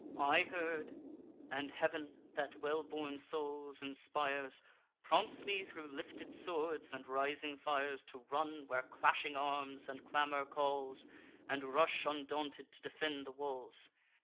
"I heard; and Heav'n, that well born souls inspires, Prompts me thro' lifted swords and rising fires To run where clashing arms and clamour calls, And rush undaunted to defend the walls.